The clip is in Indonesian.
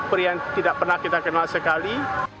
pria yang tidak pernah kita kenal sekali